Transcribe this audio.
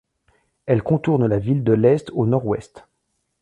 Elle contourne la ville de l'est au nord-ouest.